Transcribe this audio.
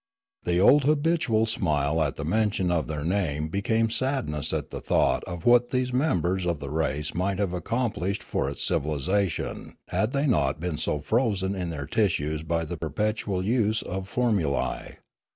The old habitual smile at the mention of their name became sadness at the thought of what these members of the race might have accomplished for its civilisation had they not been so frozen in their tissues by the perpetual use of formulae.